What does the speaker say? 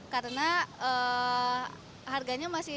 karena harganya masih